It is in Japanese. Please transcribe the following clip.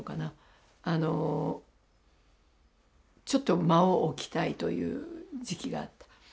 あのちょっと間を置きたいという時期があった。